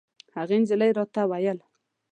هغې نجلۍ راته ویل.